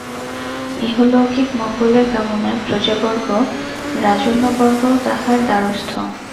ইহলৌকিক মঙ্গলের কামনায় প্রজাবর্গ, রাজন্যবর্গও তাঁহার দ্বারস্থ।